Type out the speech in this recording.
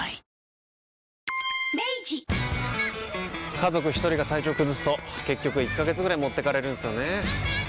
家族一人が体調崩すと結局１ヶ月ぐらい持ってかれるんすよねー。